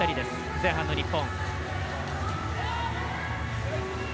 前半の日本。